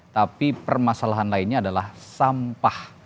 tapi permasalahan lainnya adalah sampah